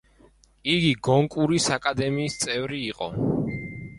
იგი გონკურის აკადემიის წევრი იყო.